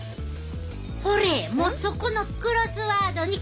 ほれもうそこのクロスワードに書いてあるやん。